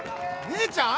姉ちゃん。